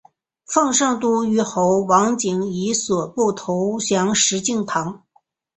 奉圣都虞候王景以所部投降石敬瑭。